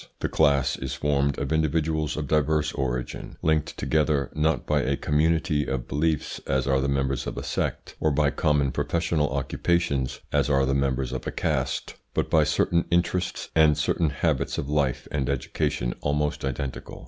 The CLASS is formed of individuals of diverse origin, linked together not by a community of beliefs, as are the members of a sect, or by common professional occupations, as are the members of a caste, but by certain interests and certain habits of life and education almost identical.